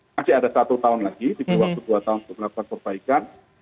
masih ada satu tahun lagi diberi waktu dua tahun untuk melakukan perbaikan